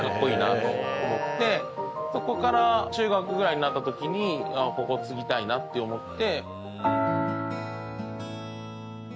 そこから中学ぐらいになった時にここ継ぎたいなって思って。